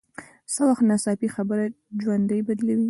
څه وخت ناڅاپي خبره ژوند بدلوي